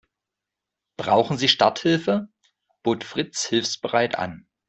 Brauchen Sie Starthilfe?, bot Fritz hilfsbereit an.